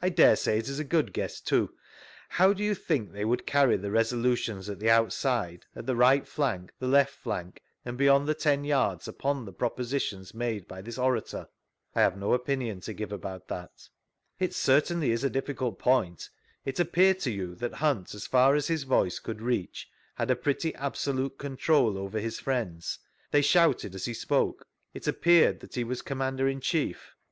I daresay it is a good guess, too; how do you think they would carry the res<^utions at the out side, at the right fiank, the left dank, and beyond the ten yards, upon the propositions made by this orator P— I have no opinion to give about that. It certainly is a difficult point. It appeared to you that Hunt, as far as his vxHce could reach, had a pretty absolute control over his friends; they shouted as he spoke; it a^^ared that he was ■V Google STANLEY'S EVIDENCE 41 commander in chief